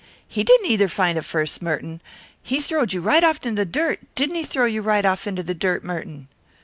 "He didn't either find it first, Merton." "He throwed you off right into the dirt didn't he throw you right off into the dirt, Merton?"